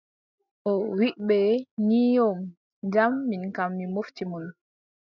O wiʼi ɓe ni yoo , jam min kam mi mofti mon.